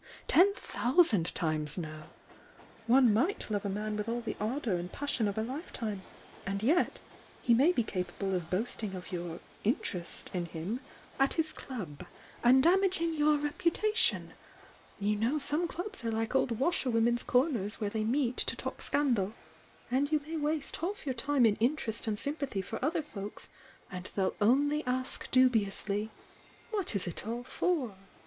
— ten thousand times no! One might love a man with all the ardour and passion of a lifetime, and yet he may be capable of boasting of your 'interest' in him at THE YOUNG DIANA 249 his club and damaging your reputation — (you know some clubs are like old washerwomen's comers where they meet to talk scandal) — and you may waste half your time in interest and sympathy for other folks and they'll only ask dubiously, 'What is it all for?'